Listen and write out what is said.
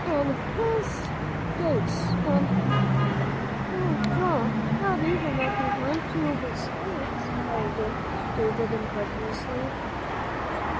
An' his skates and " "Oh, Joel, not even if he'd lent you his skates?" cried David, incredulously.